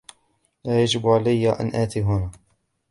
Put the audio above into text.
لا يجب علي أن آتي هنا.